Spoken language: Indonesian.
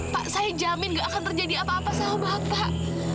pak saya jamin gak akan terjadi apa apa sama bapak